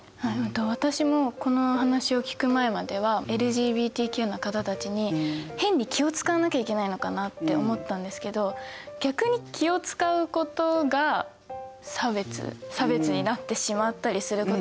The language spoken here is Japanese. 私もこのお話を聞く前まではＬＧＢＴＱの方たちに変に気をつかわなきゃいけないのかなって思ったんですけど逆に気をつかうことが差別差別になってしまったりすることもある。